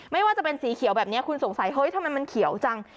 ไม่ว่าจะเป็นสีเขียวแบบนี้คุณสงสัยเฮ้ยทำไมมันเขียวจัง